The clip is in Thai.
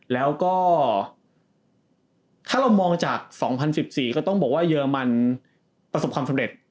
แล้วก็ถ้าเรามองจาก๒๐๑๔ก็ต้องบอกว่าเยอรมันประสบความสำเร็จ